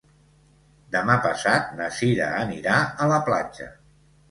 Demà passat na Sira anirà a la platja.